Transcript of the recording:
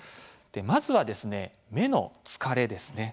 まずは、目の疲れです。